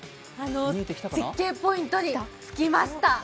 絶景ポイントに着きました。